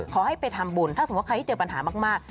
ขอให้ไปทำบุญถ้าสมมุติใครที่เจอปัญหามาก